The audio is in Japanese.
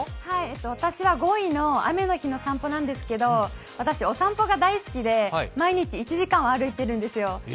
私は５位の雨の日の散歩なんですけど、私、お散歩が大好きで毎日１時間歩いているんですよ。